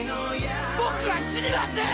「僕は死にません！」